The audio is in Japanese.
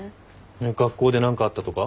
学校で何かあったとか？